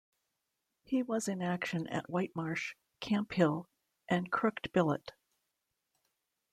He was in action at White Marsh, Camp Hill, and Crooked Billet.